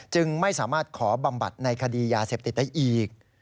จึงไม่สามารถขอบำบัดในคดียาเสพติดได้อีก